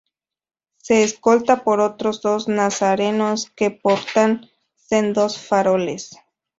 Se escolta por otros dos nazarenos que portan sendos faroles.